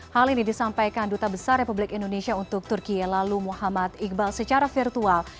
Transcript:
hal ini disampaikan duta besar republik indonesia untuk turki lalu muhammad iqbal secara virtual